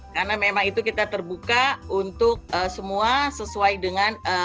karena memang itu kita terbuka untuk semua sesuai dengan